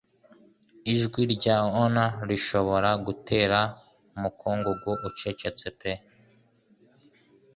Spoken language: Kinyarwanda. Ijwi rya Honour rishobora gutera umukungugu ucecetse pe